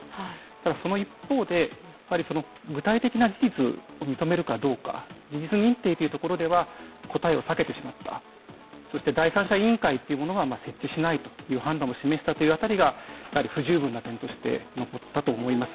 ただその一方で具体的な事実を認めるかどうか事実認定というところでは答えを避けてしまったそして第三者委員会は設置しないという判断を示したところはやはり不十分な点として残ったと思います。